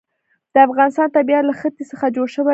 د افغانستان طبیعت له ښتې څخه جوړ شوی دی.